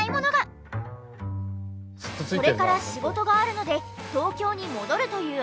これから仕事があるので東京に戻るという麻生先生。